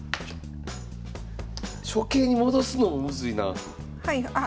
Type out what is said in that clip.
初形に戻すのもむずいなあ。